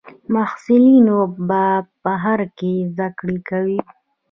محصلین په بهر کې زده کړې کوي.